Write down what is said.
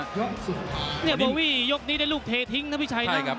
เนี่ยโบวี่ยกนี้ได้ลูกเททิ้งนะพี่ชัยนะ